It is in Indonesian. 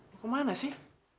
lo kemana sih